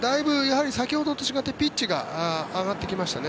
先ほどと違ってピッチが上がってきましたね。